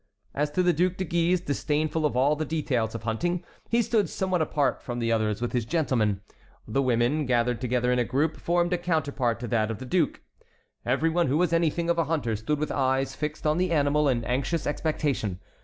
As to the Duc de Guise, disdainful of all the details of hunting, he stood somewhat apart from the others with his gentlemen. The women, gathered together in a group, formed a counterpart to that of the duke. Everyone who was anything of a hunter stood with eyes fixed on the animal in anxious expectation.